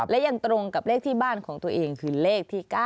และยังตรงกับเลขที่บ้านของตัวเองคือเลขที่๙